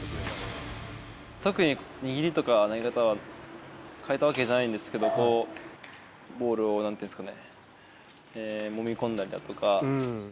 特に、握りとか、投げ方は変えたわけじゃないんですけど、ボールを、なんていうんですかね、もみ込んだりだとか。